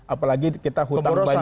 apalagi kita hutang banyak pemborosan